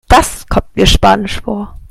Das kommt mir spanisch vor.